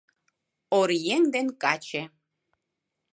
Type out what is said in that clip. Оръеҥ ден каче